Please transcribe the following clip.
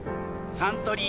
サントリー